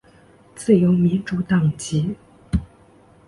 自由民主党籍。